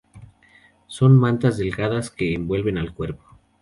Son mantas delgadas que envuelven al cuerpo.